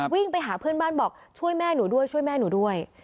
วิ่งไปหาเพื่อนบ้านบอกช่วยแม่หนูด้วยช่วยแม่หนูด้วย